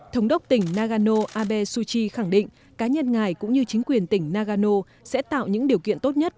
thống đốc tỉnh nagano abe suu kyi khẳng định cá nhân ngài cũng như chính quyền tỉnh nagano sẽ tạo những điều kiện tốt nhất